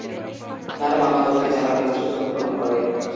তার মামাতো ভাই জানুয়ারি মাসে জন্মগ্রহণ করে।